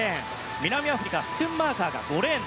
南アフリカ、スクンマーカーが５レーン。